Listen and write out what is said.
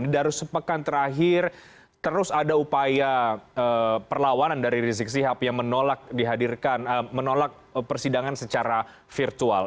dari sepekan terakhir terus ada upaya perlawanan dari rizik sihab yang menolak dihadirkan menolak persidangan secara virtual